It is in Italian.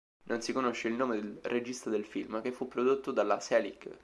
Non si conosce il nome del regista del film, che fu prodotto dalla Selig.